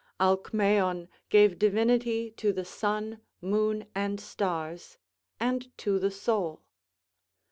Alcmæon gave divinity to the sun, moon, and stars, and to the soul.